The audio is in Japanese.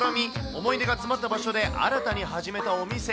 思い出が詰まった場所で新たに始めたお店。